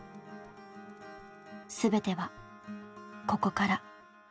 全てはここから。